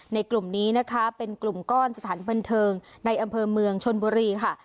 กลุ่มนี้นะคะเป็นกลุ่มก้อนสถานบันเทิงในอำเภอเมืองชนบุรีค่ะ